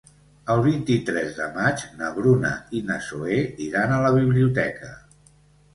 El vint-i-tres de maig na Bruna i na Zoè iran a la biblioteca.